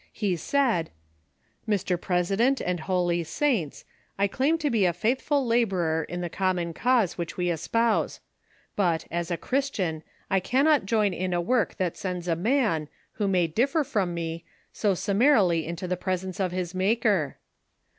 He said :" Mr. President and holy saints, I claim to be a faithful laborer in the common cause which we espouse ; but, as a Christian, I cannot join in a work that sends a man, who may differ from me, so summarily into the presence of his Maker.